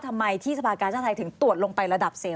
ทำไมที่สภากาชาติไทยถึงตรวจลงไประดับเสียง